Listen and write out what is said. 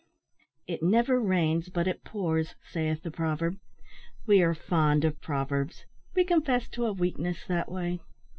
"It never rains but it pours," saith the proverb. We are fond of proverbs. We confess to a weakness that way.